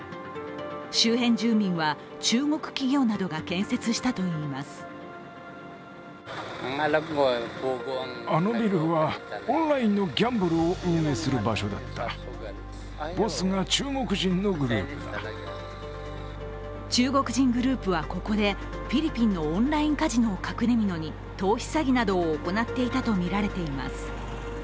周辺住民は中国企業などが建設したといいます中国人グループはここでフィリピンのオンラインカジノを隠れみのに投資詐欺などを行っていたとみられています。